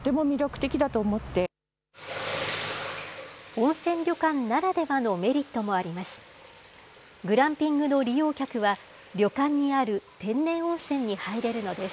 温泉旅館ならではのメリットもあります。